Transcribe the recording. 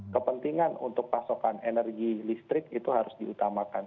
kepentingan untuk pasokan energi listrik itu harus diutamakan